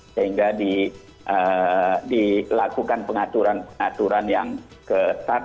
sehingga dilakukan pengaturan pengaturan yang ketat